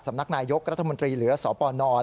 นักนายยกรัฐมนตรีหรือสปน